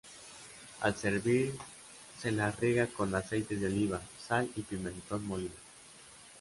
Al servir, se las riega con aceite de oliva, sal y pimentón molido.